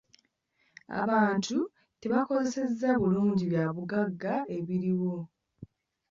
Abantu tebakozesezza bulungi bya bugagga ebiriwo.